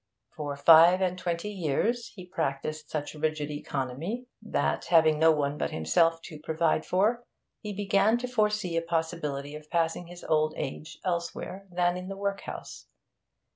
For five and twenty years he practised such rigid economy that, having no one but himself to provide for, he began to foresee a possibility of passing his old age elsewhere than in the workhouse.